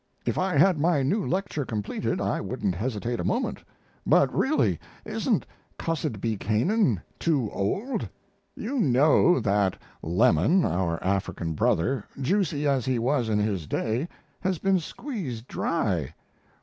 If I had my new lecture completed I wouldn't hesitate a moment, but really isn't "Cussed Be Canaan" too old? You know that lemon, our African brother, juicy as he was in his day, has been squeezed dry.